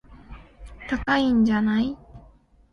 高いんじゃない